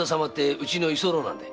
うちの居候なんです。